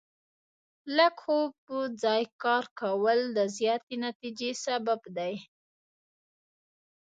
لږ خو په ځای کار کول د زیاتې نتیجې سبب دی.